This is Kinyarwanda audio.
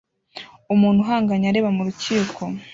Umuntu uhanganye areba mu rukiko